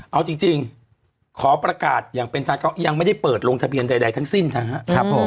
เอาจริงขอปรากฏอย่างเป็นตามยังไม่ได้เปิดลงทะเบียนใดทั้งสิ้นนะฮะ